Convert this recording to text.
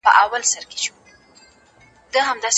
ما غوښتل چې د تګ لپاره یو ځل بیا پوښتنه وکړم.